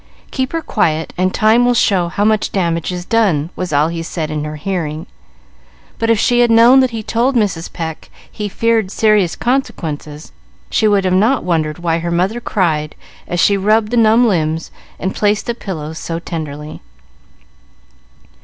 "Keep her quiet, and time will show how much damage is done," was all he said in her hearing; but if she had known that he told Mrs. Pecq he feared serious consequences, she would not have wondered why her mother cried as she rubbed the numb limbs and placed the pillows so tenderly.